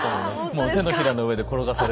もう手のひらの上で転がされてる。